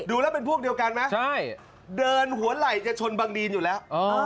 ดูแล้วเป็นพวกเดียวกันไหมเดินหัวไหล่จะชนบังดีนอยู่แล้ว